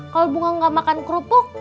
kalau bunga nggak makan kerupuk